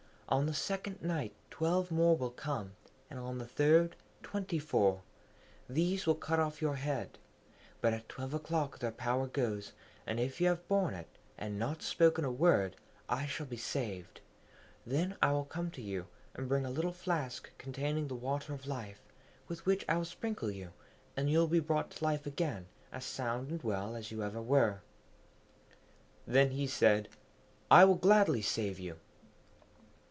On the second night twelve more will come, and on the third twenty four. These will cut off your head. But at twelve o'clock their power goes, and if you have borne it, and not spoken a word, I shall be saved. Then I will come to you, and bring a little flask containing the Water of Life, with which I will sprinkle you, and you will be brought to life again, as sound and well as ever you were.' Then he said, 'I will gladly save you!'